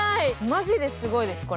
マジですごいです。